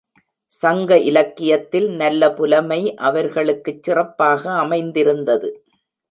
சங்க இலக்கியத்தில் நல்ல புலமை அவர் களுக்குச் சிறப்பாக அமைந்திருந்தது.